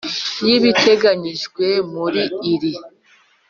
y ibiteganyijwe muri iri